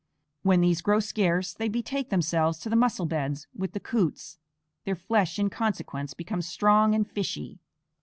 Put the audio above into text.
When these grow scarce they betake themselves to the mussel beds with the coots; their flesh in consequence becomes strong and fishy.